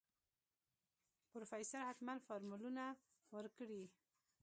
پروفيسر حتمن فارموله ورکړې.